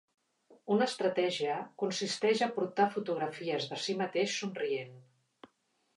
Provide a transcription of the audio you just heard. Una estratègia consisteix a portar fotografies de si mateix, somrient.